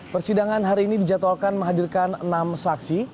persidangan hari ini dijadwalkan menghadirkan enam saksi